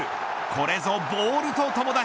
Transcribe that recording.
これぞボールと友達。